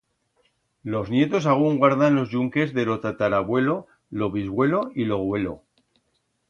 Los nietos agún guardan los yunques de lo tataravuelo, lo bisgüelo y lo güelo.